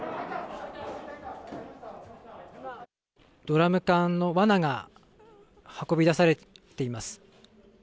ドラム缶のわなが運び出されています。